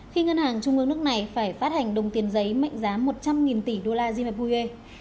khi ngân hàng trung ương nước này phải phát hành đồng tiền giấy mạnh giá một trăm linh tỷ usd